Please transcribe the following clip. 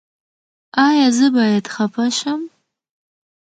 ایا زه باید خفه شم؟